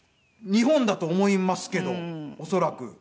日本だと思いますけど恐らく。